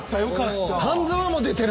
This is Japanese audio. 『半沢』も出てる。